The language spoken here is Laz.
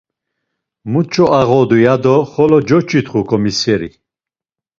Muç̌o ağodu ya do xolo coç̌itxu ǩomiseri.